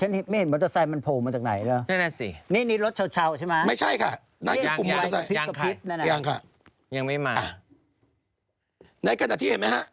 ในกระดาษที่เห็นไหมฮะ